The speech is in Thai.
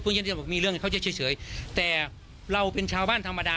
เพราะยังไม่มีเรื่องเขาจะเฉยเฉยแต่เราเป็นชาวบ้านธรรมดา